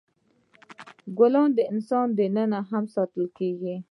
ګلان د کور دننه هم ساتل کیږي.